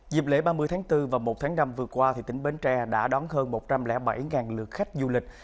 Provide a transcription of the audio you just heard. dịp lễ ba mươi tháng bốn và một tháng năm vừa qua tỉnh bến tre đã đón hơn một trăm linh bảy lượt khách du lịch